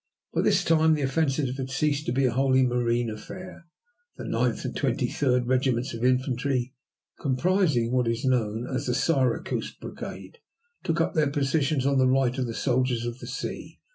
By this time the offensive had ceased to be wholly a marine affair. The 9th and 23d Regiments of infantry, comprising what is known as the Syracuse Brigade, took up their positions on the right of the soldiers of the sea.